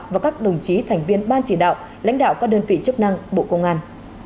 và các đồng chí thành viên ban chỉ đạo lãnh đạo các đơn vị chức năng bộ công an